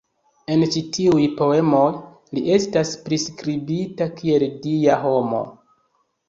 En ĉi tiuj poemoj li estas priskribita kiel dia homo.